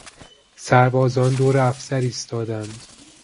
سربازان دور افسر ایستادند.